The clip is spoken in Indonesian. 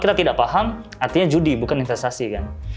kita tidak paham artinya judi bukan investasi kan